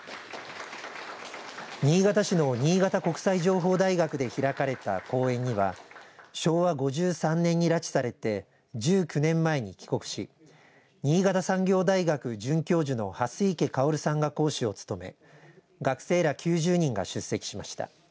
新潟市の新潟国情報大学で開かれた講演には昭和５３年に拉致されて１９年前に帰国し新潟産業大学准教授の蓮池薫さんが講師を務め学生ら９０人が出席しました。